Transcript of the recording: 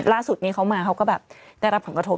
ล่าสุดนี้เขามาเขาก็แบบได้รับผลกระทบ